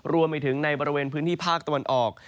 รวมไปถึงในบริเวณพื้นที่ภาคตะวันออก